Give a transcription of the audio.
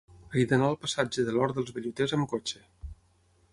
He d'anar al passatge de l'Hort dels Velluters amb cotxe.